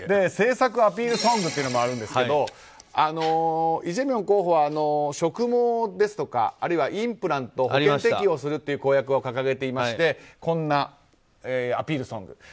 政策アピールソングというのもあるんですけどイ・ジェミョン候補は植毛ですとかあるいはインプラント保険適用するという公約を掲げていましてこんなアピールソング。